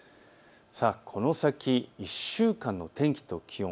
この先１週間の天気と気温。